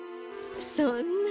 そんな。